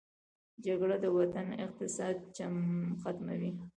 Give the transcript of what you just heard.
جګړه د وطن اقتصاد ختموي